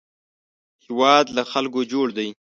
هېواد له خلکو جوړ دی